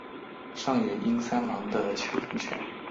上野英三郎的秋田犬。